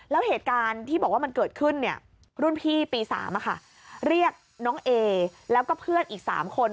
แล้วเหตุการณ์ที่บอกว่ามันเกิดขึ้นรุ่นพี่ปี๓เรียกน้องเอแล้วก็เพื่อนอีก๓คน